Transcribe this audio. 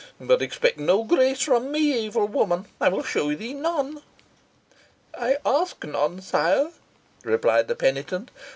But expect no grace from me, evil woman. I will show thee none." "I ask none, sire," replied the penitent.